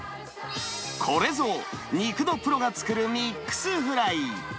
これぞ肉のプロが作るミックスフライ。